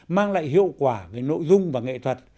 mang lại hiệu quả về nội dung và nghệ thuật